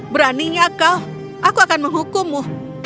beraninya kau aku akan menghukummu